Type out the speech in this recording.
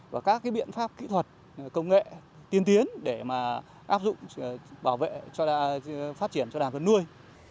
và các biện pháp kỹ thuật công nghệ tiên tiến để áp dụng bảo vệ phát triển cho đàn vật nuôi